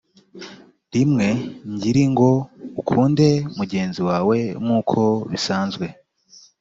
rimwe ngiri ngo ukunde mugenzi wawe nk uko bisanzwe